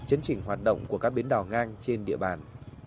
chấn chỉnh hoạt động của các bến đỏ ngang trên địa bàn